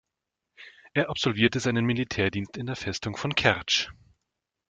Er absolvierte seinen Militärdienst in der Festung von Kertsch.